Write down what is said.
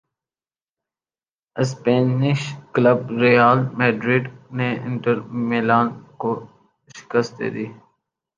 Spanish club Real Madrid نے Inter Milan کو شکست دے دی